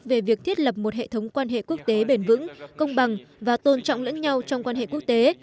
về việc thiết lập một hệ thống quan hệ quốc tế bền vững công bằng và tôn trọng lẫn nhau trong quan hệ quốc tế